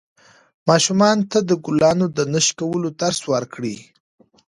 ماشومانو ته د ګلانو د نه شکولو درس ورکړئ.